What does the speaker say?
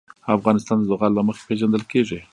افغانستان د زغال له مخې پېژندل کېږي.